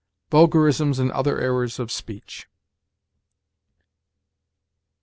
"Vulgarisms and Other Errors of Speech."